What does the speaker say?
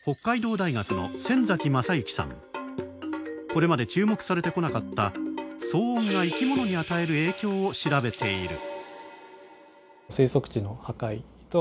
これまで注目されてこなかった騒音が生き物に与える影響を調べている。